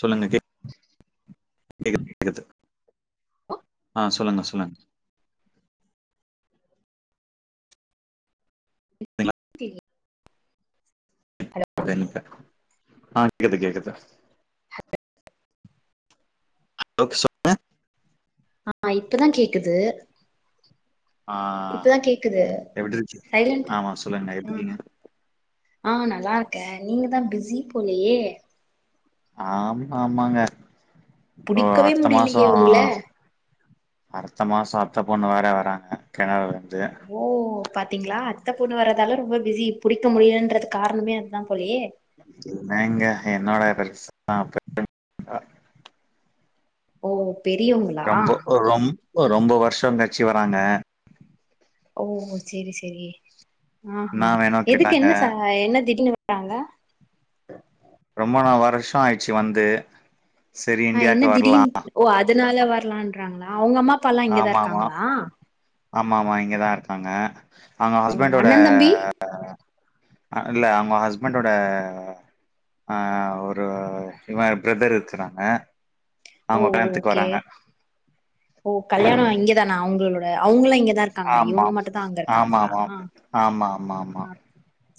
சொல்லுங்க [unintelligible] [unintelligible] ஆஹ் சொல்லுங்க சொல்லுங் கேக்குதுங்களா? [unintelligible] இல்ல இப்ப கேக்குதா ஓகே சொன்ன ஆமா இப்பதான் கேக்குது ஆஹ் இப்பதா கேக்குது எப்டி இருச்சு சைலன்டா ஆமா சொல்லுங்க எப்டி இருக்கீங்க ஆஹ் நல்லா இருக்கேன் நீங்க தான் பிஸி போலயே ஆமா ஆமாங்க இப்போ புடிக்கவே அடுத்த முடிலையே உங்கள த்த மாசம் அத்தபொண்ணு வேற வராங்க கென்னடாலருந்து ஓ பாத்தீங்ளா அத்த பொண்ணு வர்றதால ரொம்ப பிஸி புடிக்க முடியலன்றது காரணமே அதுதான் போலயே என்னாங்க என்னோட பெருசான் [unintelligible] ஓ பெரியவங்களா ரொம்ப ரொம் போ ரொம்ப வருஷம் கல்சி வராங்க ஓ செரி செரி ஆஹ் என்னா ஹா வேணும் எதுக்கு கேட்டாங்க. என்ன ச என்ன திடீனு டாங்க ரொம்ப நா வருஷம் ஆயிடுச்சு வந்து சரி ஆஹ் என்ன இந்தியாவுக்கு திடீனு வரலாம். ஓ அதக் அதனால வரலான்றாங்களா அவங்க அம்மா அப்பால்லாம் இங்கதான் ஆமாமா. இருக்காங்களா ஆமாமா இங்கதான் இருக்காங்க அவங்க ஓ ஹஸ்பண்ட்டோட அண்ணன் தம்பி அ இல்ல அவங்க ஹஸ்பண்டோட அஹ் ஒரு இவ பிரதர் இருக்கறாங்க ஓ ஓகே ஓ கல்யாணம் இங்கதானா அவங்களோ [unintelligible] அவங்கலா எங்கத் ஆமா ஆமா ஆ ஆமா ஆமா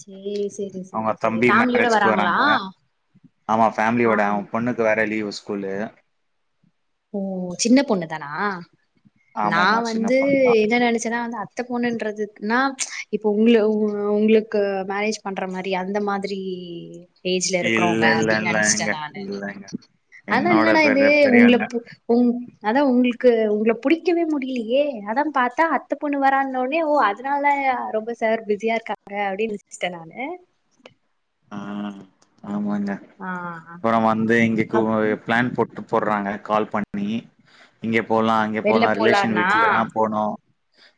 சேரி சேரி சேரி அவங்க சேரி தம்பி ஃபேமிலியோட மேரேஜ்கு வராங்களா வராங்க ஆமாபேமிலியோட ஆஹா அவங்க பொண்ணுக்கு வேற லீவு் ஸ்கூல்லு ஓ சின்ன பொண்ணு தானா ஆமாமா நான் சின்ன வந்து பொண்ணு தா என்ன நினைச்சேன்னா த அத்த பொண்ணுன்றதுன்னா இப்ப உங்களு உங்களுக் க்கு மேரேஜ் பண்ற மாரி அந்த மாதிரி ஏஜ்ல இருக்கிறவங்க இல்ல இல்ல இல்ல லங்க இல்லங்க அது என்னோட என்னடா இது பெரிய உங்கள பெரியவங்க ப்பு உங் அதான் உங்களுக்கு உங்கள புடிக்கவே முடியலையே அதான் பார்த்தா அத்த பொண்ணு வரான்னோடனே ஓ அதனால ரொம்ப சார் பிஸியா இருக்காங்க அப்டி நினச்சிட்டேன் நானு ஆ ஆமாங்க ஆ அப்புற வந்து இங்ககு பிளான் போட்டு போடுறாங்க கால் பண்ணி இங்கப் போலாம் அங்கே வெள்ல போலாம் ரிலேஷன் போலான்னா வீட்டுல தான் போனோம்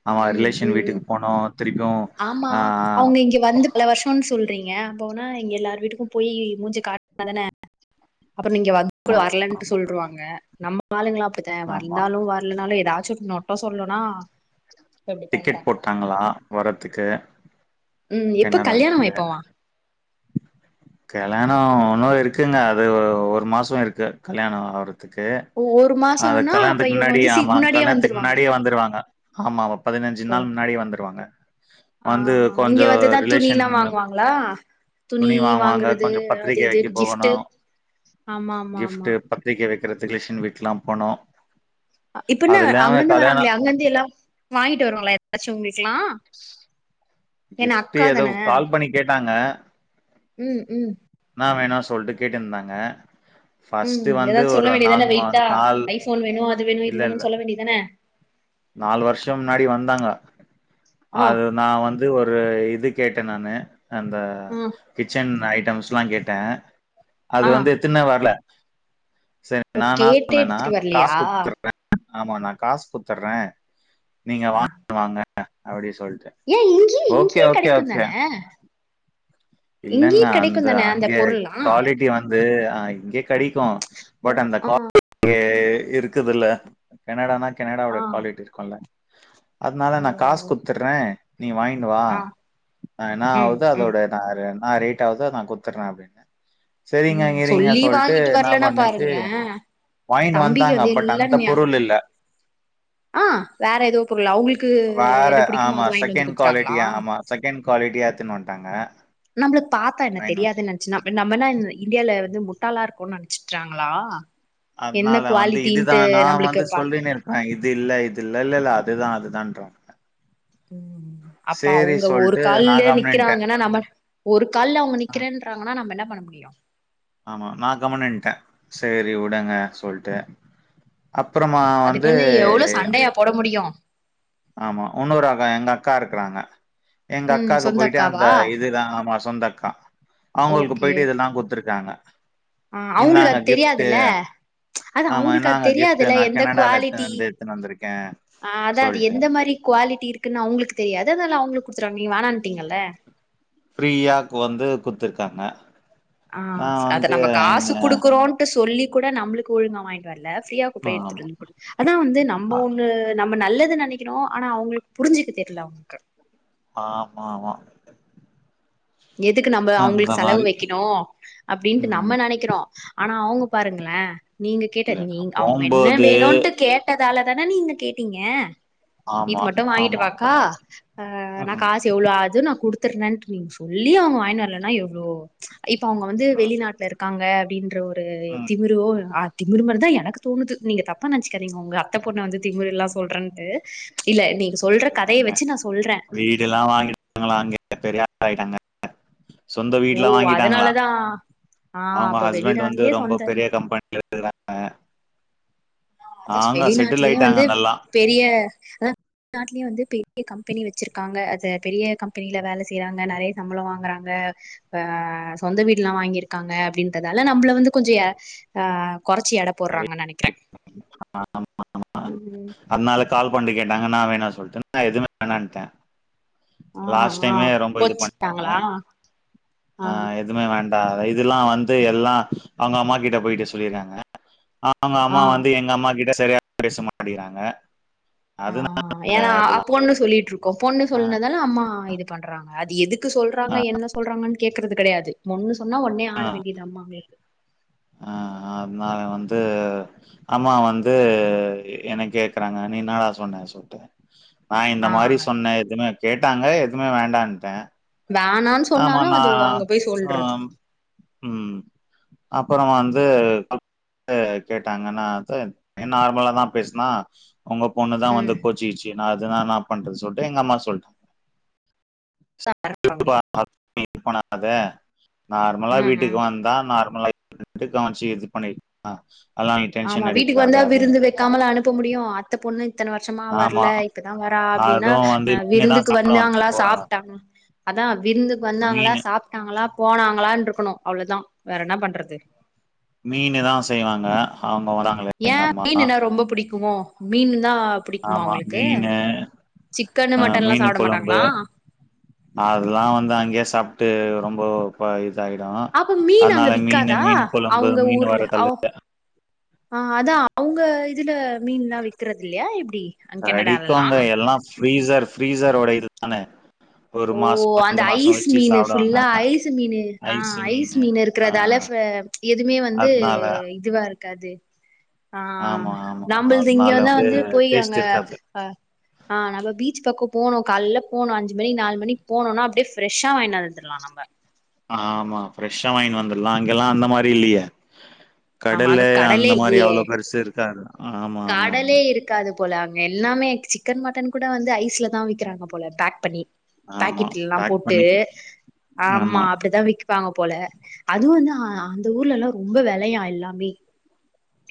ஆமா ம் ரிலேஷன் ம் வீட்டுக்கு போனோ ஆமா அவங்க இங்க வந்து பல வருஷன்னு சொல் ந்தீங்க வந்தவுட்னே இங்க எல்லார் வீட்டுக்கும் போயி மூஞ்சிய காட்னாதான அப்பற நீங்க ஆமா, வறக்கு வரலன்ட்டு சொ சொல்றுவாங்க நம்ம ஆளுங்களா இப்பத்தன் ஆமா. வந்தாலும் வரலனாலும் ஏதாச்சும் நொட்டம் சொல்லுனா டிக்கெட் போட்டாங்களா வர [unintelligible] உம் எப்ப கல்யாணம் எப்போவா கல்யாணோ இன்னும் இருக்குங்க அது ஒரு மாசம் இருக்கு கல்யாணோ ஆவ துக்கு ஒரு அது மாசம்னா அப்ப கல்யாணத்துக்கு இவங்க முன்னாடிே வந்து சி ஆமா முன்னாடியே கல்யாணத்துக்கு வந்துருவாங்க முன்னாடியே வந்துருவாங்க ஆமா பதினஞ்சு நாள் முன்னாடியே வந்துருவாங்க வந்து ஆஹ் இங்க கொஞ்சம் வந்துதான் ரிலேஷன் துணிலாம் வாங்குவாங்களா துணி வாங்குவாங்க. வாங்குறது கொஞ்சம் அது பத்திரிக்கை இது வைக்க கிஃப்ட்டு போகணும். ஆமா ஆமா ஆமா வக்கிறதுக்கு ரிலேஷன் வீட்லாம் போனோம் ஆ இப்பென்ன அது இல்லாம அங்கருந்து வராங்களே கல்யாணம் அங்கருந்து எல்லாம் வாங்கிட்டு வருவாங்களா எப்பாச்சும் உங்களுக்கு க்லா கிஃப்ட் ஏதோ கால் பண்ணி கேட் தாங்க உம் உம் என்னா வேணு சொல்ட்டு கேட்டுருந்தாங்க உம் ஃபர்ஸ்ட்டு வந்து ஏதாவது ஒரு சொல்ல வேண்டியதானே மா வெயிட்டா நாள் ஐபோன் வேணு அது வேணு இது வேணுனு சொல்ல வேண்டியதுதான நாலு வருஷம் முன்னாடி வந்தாங்க ஆ அது நான் வந்து ஒரு இது கேட்டேன் நானு அந்த ஆ கிச்சன் நைட் டெர்ம்ஸ்லா கேட்டேன் அது ஆ வந்து எடுத்தனே வரல சரி ஓ நான் நான் கேட்டே சொன்னேனான் எடுத்துட்டு காசு வரலையா குடுத்துறேன் ஆமா நான் காஸ் குத்துடுறேன் நீங்க வாங்க வாங்க [unintelligible] ஏன் இங்கியே "ஓகே, இங்கியே ஓகே, கடைக்கும் தான ஓகே." இல்லங்க இங்கயே கெடைக்கு அந்த தான அங்க பொருள்லா குவாலிட்டி வந்து அஹ் இங்க கடைக்கும் ஓ பட் அந்த கோலிட்டி ஏ இருக்குதுல்ல கனடான ஆ கெனடாவில காலேட்டு இருக்கும்ல அதனால ஓ நா காசு குடுத்தர்றே நீ வாங்கின்னு வா ஆ ஆ என்ன ம் ஆவுதோ ம் அதோட அது என்னா ரேட்டு ஆவுதோ நான் குடுத்தர்றேன் அப்டின்னு ம் சொல்லியு வாங்கிட்டு வரலன்னா பண்ணுச்சு பாருங்களே வாங்கின்னு தம்பிய வந்தாங்க. பட் அந்த வில்லன்யா பொருள் இல்ல. ஆ வேற எதோ பொருள அவுங்குளுக்கு வேற எது புடிக்குமோ ஆமா அது வாங்கிட்டு வந்து செகண்ட் குடுத்துட்டாங்களா ட்டாங்க நம்மள பாத்தா என்ன தெரியாதுன்னு நெனைச்சு ந நம்ம என்ன இண்டியால வந்து மு நல்லாருக்குன்னு நெனச்ட்டாங்களா அதனால வந்து இதுதா நா நம்மளுக்கு வந்து பாத் சொல்லினு இருப்பே இத் இது இல்ல இது இல்ல இல்லல்ல அதுதா அதுதான்றாங்க [unintelligible] அப்ப சேரி அவுங்க ஒரு சொல்ட்டு நான் கால்லயே கம்னுன்ட்டேன். நிக்கிறாங்கன்னா நம்ம ஒரு கால்ல அவுங்க அ நிக்கிறேன்றாங்கன்னா நம்ம என்னப் பண்ண முடியு ஆமா நா கம்முனு இருந்ட்டே சேரி விடுங்க சொல்ட்டு அப்புறமா வந்து அதுக்கின்னு எவ்ளோ சண்டையா போட முடியு ஆமா இன்னோரு அக்கா எங்க அக்கா இருக்கறாங்க எங்க ம் அக்காக்கு சொந்த போயிட்டு அந்த அக்காவா இதுதான ஆமா சொ சொந்த அக்கா அவுங்களுக்கு ஓகே போயிட்டு இதெல்லா குடுத்ரு ட்றாங்க ஆ அவுங்களுக்கு அது தெரியாதுல்ல அது ஆமா அவுங்களுக்கு அது இந்தாங்க கிஃப்ட்டு தெரியாதுல்ல நா எந்த கெனடால எத்துனு குவாலிட்டி வந்து எத்துனு வந்திருக்கே ஆ அதா அது சொல்ட்டு எந்த என்ன மாரி குவாலிட்டி இருக்குன்னு அவுங்களுக்கு தெரியாது அததெல்லா அவுங்களுக் குடுத்டாங்க நீங்க வேணாண்ட்டீங்கல்ல க்காங்க ஆஹ ஸ் அத நாம காசு குடுக்குறோம்ட்டு சொல்லி கூட நம்முளுக்கு ஒழுங்கா வாங்கிட்டு வரல ஃப்ரியா க்கு போய் எடுத்துட்டு ஆமா வந்து குடு அதான் வந்து நம்ப ஆ ஒண்ணு நம் நம்ம நல்லது நெனைக்கிறோ ஆனா அவுங்களுக் புரிஞ்சுக்க தெரியல அவுங்குளுக்கு ஆமாம்மா எதுக்கு நம்ப அவுங்களுக்கு செலவு வைக்கிணு அப்டின்ட்டு ம் நம்ம நெனைக்கிறோ ஆனா அவுங்க பாருங்களே நீங்க கேட்ட இல்ல நீ அவுங்க என்ன போம்போது வேணுட்டு கேட்ட அதாலதான நீங்க கேட்டீங்க இது ஆமா மட்டு வாங்கிட்டு ஆமா வாக்கா ஆ நா ம் காசு எவ்ளோ ஆது நான் குடுத் செரி நன்றிங்ஸ் சொல்லியு அவுங்க வாங்கினு வரலன்னா எவ்ளோ இப்ப அவுங்க வந்து வெளிநாட்ல இருக்காங்க ன்ற [unintelligible] ஆ ம் திமிரோ அட் திமுரு மாரிதா எனக்கு தோணுது நீங்க தப்பா நெனச்சுக்காதீங்க உங்க அத்தை பொண்ண வந்து திமுருல்லா சொல்றேன்ட்டு இல்ல நீங்க சொல்ற கதைய வச்சு நா சொல்றே [unintelligible] வீடு எல்லாம் [unintelligible] பெரிய ஆய்ட்டாங்க [inaudible] சொந்த ஓ வீட்லாம் வாங்கிட்டாங்களா அதனாலதா ஆ அவங்க அப்ப ஹஸ்பண்ட் வந்து வெளிநாட்லயே ரொம்ப சொந்த பெரிய கம்பெனில இருகாங்க [unintelligible] வெளிநாட்லயே வந்து நல்லா பெரிய ஆ நாட்லயே வந்து பெ பெ கம்பெனி வச்சிருக்காங்க அது பெரிய கம்பெனில வேல செய்யறாங்க நறைய சம்பளம் வாங்கறாங்க ஆஹ் சொந்த வீடுல்லாம் வாங்கிருக்காங்க அப்டின்றதால நம்மள வந்து கொஞ்சம் ஆ குறைச்சி எட போடுறாங்க நனைக்கிறேன் [inaudible] அதனால கா [unintelligible] கேட்டாங்க நா வேணா சொல்லிட்டு நா எதுவுமே வேணான்ட்டே ஆ லாஸ்ட் ஆ டைமே ரொம்ப இது பன்டாங்க கோச்சிக்கிட்டாங்களா ஆ ஆஹ் எதுனா வேண்ட இதெல்லாம் வந்து எல்லாம் அவங்க அம்மா கிட்ட போயிட்டுசொல்லிருக்காங்க அவங்க ஆ அம்மா வந்து எங்க அம்மா கிட்ட செ சரியா பேச மாட்டேங்றாங்க ஆஹ் ஏன்னா பொண்ணு சொல்லிட்ருக்கோ பொண்ணு ஆ சொன்னாதான அம்மா இது பண்றாங்க அது எதுக் க்கு ஆ சொல்றாங்க என்ன சொல்றாங்கன்னு கேட்கறது கிடையாது முன்னு சொன்ன உடனே ஆ ஆட வேண்டியது அம்மா [unintelligible] ஆ அதனால வந்து அம்மா வந்து என்ன கேக்குறாங்க நீ என்னடா சொன்னேன்னு சொல்ட்டு நான் இந்த ஆ மாரி சொன்ன எதுவுமே கேட்டாங்க எதுவுமே வேண்டான்ட்டே வேணான்னு ஆமா சொன்னாலும் நா அது அங்க போய் ஆ சொல்றது ம் அப்புறோ வந்து [inaudible] ஆ கேட்டாங்க நா இது நார்மலாதா பேசுனா உங்க பொண்ணுதான் வந்து ம் கோச்சிக்கிச்சி நான் அதான் நான் பண்றது சொல்லிட்டு எங்க அம்மா சொல்லிட்டாங்க பரப்ப முடியும் இருப்பனாத நார்மலா ம் ம் வீட்டுக்கு வந்தா நார் [unintelligible] ஆமா வீட்டுக்கு வந்தா விருந்து வைக்காமல அனுப்ப முடியும் அத்த பொண்ணு இத்தன வருஷமா ஆமா வரல இப்பதா வரா அப்டின்னா அதுவு வந்து ஆ மீனு தா விருந்துக்கு சாப்ட வந்தாங்களா வந்தப்போ சாப்ட்டாங் அதான் விருந்துக்கு வந்தாங்களா மீனு சாப்ட்டாங்களா போனாங்களான்னு இருக்கணு அவ்ளதா வேற என்ன பண்றது மீனுதா செய்வாங்க அங் ஏன் மீனுனா ரொம்ப பிடிக்குமோ மீல் ஆமா மீனு சிக்கனு அஹ் மட்டன்லா மீனு சாப்ட கொழம்பு மாட்டாங்களா அதெல்லா வந்து அங்கேயே சாப்ட்டு ரொம்ப போ [unintelligible] ஆயிடு அப்ப மீன் அங்க அதனால மீனு விக்காதா மீன் குழம்பு அவங்க மீன் ஊர்ல வறுத்தலு அவ் ஆ அதான் அவுங்க இதுல மீன்லா விக்கறது இல்லையா எப்டி அங்க கெனடாலலாம் ஃப்ரீஸர் ஃப்ரீஸரோட இது தானே ஒரு ஓ மாசோ அந்த ரெண்டு மாசோ ஐஸ் வச்சு மீன் சாப்டுவாங்க ஃபுல்லா ஐஸ் மீனு ஆஹ் ஐஸு ஐஸ் மீனு மீன் ஆ இருக்கறதால ச எதுமே வந்து அதனால இதுவா இருக் க்கது ஆ ஆமா ஆமா நம்மல்து அதனால இங்கல்லா வந்து போய் அங்க டேஸ்ட் இருக்காது ஆஹ் ஆஹ் நம்ம பீச் பக்கம் போனோம் கால்ல போனோ அஞ் இது மாரி நால் மணிக்கு போனோம்னா அப்டியே ஃப்ரெஷா வாங்கியாந்துரலா நம்ப ஆமா ஃப்ரெஷ்ஷா வாங்கினு வந்துரலா அங்கெல்லா அந்த மாரி இல்லையே ஆமா கடல்ல அங்க அந்த கடலே மாரி இல்லியே அவ்ளவு பெருசு இருக்காது ஆமா ஆமா ஆமா கடலே இருக்காது போல அங்க எல்லாமே சிக்கன் மட்டன் கூட வந்து ஐஸ்லதா விக்கிறாங்க போல பேக் பண்ணி ஆமா பாக்கெட்லல்லா பேக் போட்டு பண்ணி ஆமா அப்டிதா விப்பாங்க போல அதுவும் நா ஆ அந்த ஊர்லெலாம் ரொம்ப வெலையா எல்லா ல்லாமே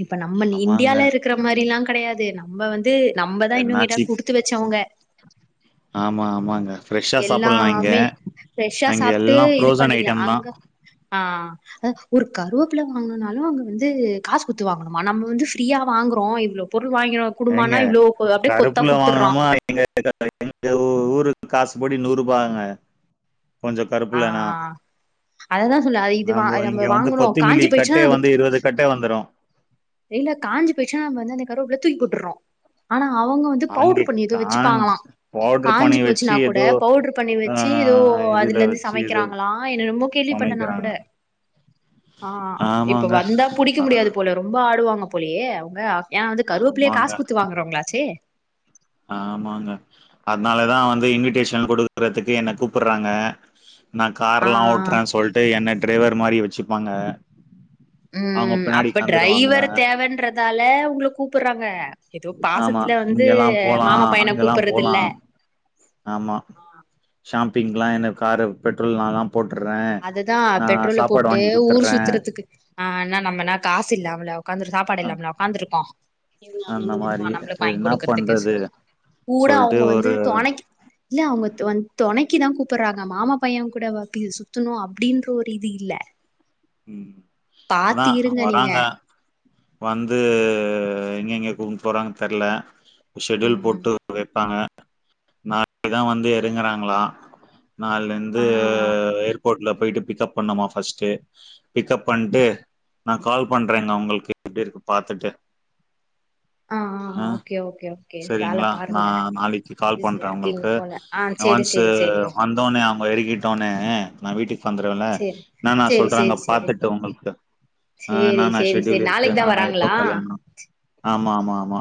இப்ப நம்மல் ஆமாங்க இந்தியால இருக்கிற மாரிலா கெடையாது நம்ம வந்து கேட்டா என்னாச்சு குடுத்து வச்சவங்க ஆமா ஆமாங்க ஃப்ரெஷா சாப்டலாம் இங்க எல்லாமே ஃப்ரெஷ்ஷா அங்க எல்லாம் ஃப்ரோசன் ஐட்டம்தா ஆஹ் அ அ ஒரு கருவேப்பில வாங்குனனாலு அங்க வந்து காசு குடுத்து வாங்கணுமா நம்ம வந்து ஃபிரீயா வாங்குறோ இவ்ளோ போட் ஏங்க பருப்புல குடுத்துர்றா வாங்கணுமா [inaudible] எங்க ஊரு காசுபடி நூறுபாங்க கொஞ்சம் ஆ கருப்புலனா அததா சொல்ல அது இது வா நாம்போ நம்ம இங்க வந்து வாங்கணு கொத்துமிலி காஞ்சி கட்டே போயிடுச்சுன்னா நம்ம வந்து இருபது கட்டே வந்துரும் இல்ல காஞ்சி போயிடுச்சுன்னா ஆனா அவுங்க வந்து அங்கே பவுடர் பண்ணி ஏதோ காஞ்ச் வச்சுப்பாங்களா பவுடர் பண்ணி காஞ்சி வச்சு போச்சுனா கூட ஏதோ பவுடர் பண்ணி ஆ வச்சு ஏதோ இதுல அதுல இருந்து வச்சு ஏதோ சமைக்கிறாங்களாம என்னன்னமோ கேள்விபட்டே நா சமைக்கிறாங்க. கூட ஆஹ் இப்ப ஆமாங்க. வந்தா புடிக்க அது முடியாது போல ஆடுவாங்க போலயே அவங்க ஏ அது கருவப்பிலைய ஆமாங்க, காசு குடுத்து வாங்குறவங்களாச்சே ஆமாங்க அதனாலதான் வந்து இன்விடேஷன் குடுக்குறதுக்கு என்ன கூப்புறாங்க நா ஆ காரெல்லா ஆ ஓட்றேன் சொல்ட்டு என்னை டிரைவர் மாரி வச்சுப்பாங்க அவங்க உம் பின்னாடி அப்ப உக்காந்துருவாங்களா. டிரைவர் தேவன்றதால உங்கள கூப்புடுறாங்க ஏதோ பாசத்துல வந்து ஆ மாமா பையன அங்கல்லாம் கூப்புடுறது இல்ல போலாம் ஆமா ஷா [unintelligible] காரு பெட்ரோல் நான்தா அததுதான் பெட்ரோல்ல போட்டு வாங்கி ஊர் குடுத்துடுறேன் சுத்துறதுக்கு ஆஹ் ஆனா நம்மனா காசு இல்லாமல உக்காந்துட்டு சாப்பாடு அ இல்லாமலா உக்காந்துருக்கோ இவங்க அந்த அங்கிருந்து மாரி [unintelligible] நம்பளுக்கு சரி வாங்கிக் என்ன குடுக்குறதுக்கு இஸ் பண்றது கூட சொல்ட்டு அவங்க வந்து ஒரு தொணைக்கி இல்ல அவங்க தொன் தொணைக்கு தான் கூப்றாங்க மாமா பையன் கூட [unintelligible] [unintelligible] அப்பிடின்ற ஒரு இது இல்ல உம் பாத்து அதான் இருங்க நீங்க வராங்க வந்து எங்கங்க கூப்டு போறாங்கன்னு தெர்ல ஷெட்யூல் ம் போட்டு வைப்பாங்க நாளைக்கிதா வந்து எறங்குறாங்களா ஆ நால்லேந்து ஏர்போர்ட்ல போயிட்டு பிக்கப் பண்ணுமா பஸ்ட்டு பிக்கப் பன்ட்டு நான் கால் பண்றேங்க உங்கள்க்கு எப்டிருக்கு பாத்துட்டு ஆ ஆ அஹ் ஓகே ஓகே ஓகே வேல சரிங்ளா பாருங்க நான் நாளைக்கு கால் பிஸியா பண்றேன் இருக்கீங்க உங்ளுக்கு போல ஆ சேரி ஒன்ஸ் சேரி சேரி வந்தோனே அவ் [unintelligible] எறக்கி விட்டவுட்னே நா வீட்டுக் வந்துருவன்ல சேரி நானாஸ் சேரி சொல்றாங்க சேரி சேரி பாத்துட்டு உங்களுக்கு ஆ சேரி என்னென்ன சேரி சேரி செட்யூல் இருக்கு நாளைக்கு தா நா நா எப்ப வராங்களா கல்யாணோ ஆமா ஆமா ஆமாமா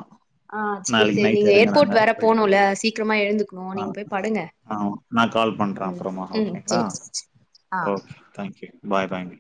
ஆஹ் செரி செரி நீங்க ஏர்போர்ட் வேற போயிட்டு போனும்ல சீக்கிரமா எழுந்துக்கணும் ஆ நீங்க போய் படுங்க ஆ நா கால் பண்றே உம் அப்புறமா உம் ஓகேங்களா சரி செரி ஆஹ் ஓகே தேங்க்யூ பாய் பாய்ங்க